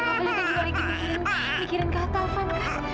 kava dia kan juga lagi mikirin mikirin kata fanka